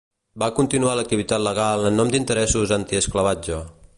Va continuar l'activitat legal en nom d'interessos antiesclavatge.